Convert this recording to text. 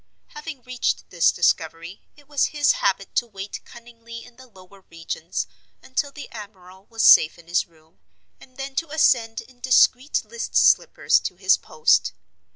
Having reached this discovery, it was his habit to wait cunningly in the lower regions until the admiral was safe in his room, and then to ascend in discreet list slippers to his post.